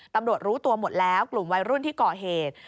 ตำรวจรู้ตัวหมดแล้วกลุ่มวัยรุ่นที่ก่อเหตุ